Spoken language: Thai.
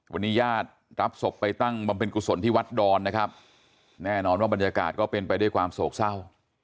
วันนี้ญาติรับศพไปตั้งบำเพ็ญกุศลที่วัดดอนนะครับแน่นอนว่าบรรยากาศก็เป็นไปด้วยความโศกเศร้า